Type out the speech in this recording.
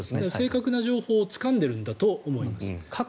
正確な情報をつかんでいるだと思います。